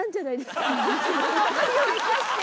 周りを生かして。